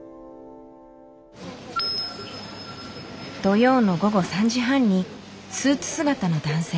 土曜の午後３時半にスーツ姿の男性。